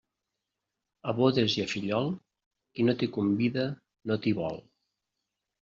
A bodes i a fillol, qui no t'hi convida, no t'hi vol.